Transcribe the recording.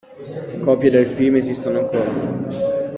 Copie del film esistono ancora.